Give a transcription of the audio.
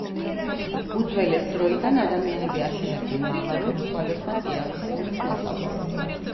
უძველეს დროიდან ადამიანები აშენებდნენ მაღაროებს სხვადასხვა წიაღისეულის მოსაპოვებლად.